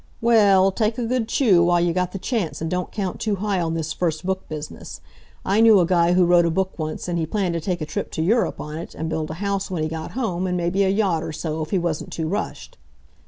"Well, take a good chew while you got th'chance an' don't count too high on this first book business. I knew a guy who wrote a book once, an' he planned to take a trip to Europe on it, and build a house when he got home, and maybe a yacht or so, if he wasn't too rushed.